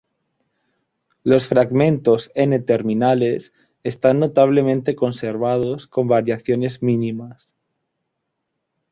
Los fragmentos N-terminales están notablemente conservados con variaciones mínimas.